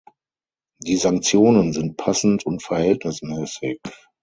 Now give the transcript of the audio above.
Die Sanktionen sind passend und verhältnismäßig.